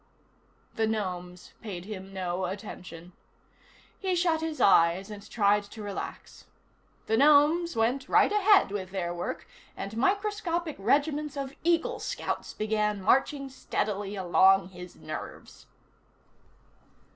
The gnomes paid him no attention. He shut his eyes and tried to relax. The gnomes went right ahead with their work, and microscopic regiments of Eagle Scouts began marching steadily along his nerves.